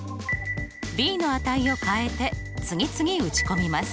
ｂの値を変えて次々打ち込みます。